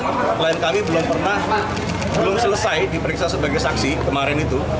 klien kami belum selesai diperiksa sebagai saksi kemarin itu